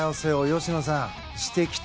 吉野さん。